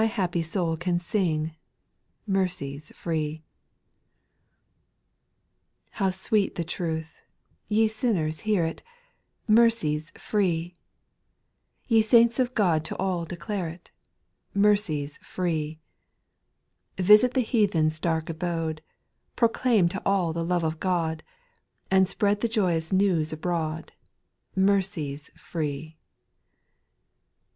appy soul can sing, Mercy 's free: SPIRITUAL SONGS. 283 8. How sweet the truth — ye sinners hear it —' Mercy 's free. Ye saints of God to all declare it — Mercy 's free. Visit the heathen's dark abode, Proclaim to all the love of God, And spread the joyous news abroad — Mercy 's free.